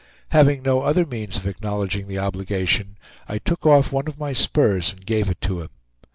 Having no other means of acknowledging the obligation, I took off one of my spurs and gave it to him.